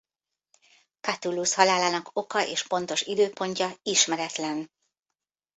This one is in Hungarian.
Catullus halálának oka és pontos időpontja ismeretlen.